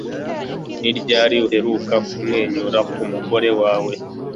Ni ryari uheruka kumwenyura ku mugore wawe?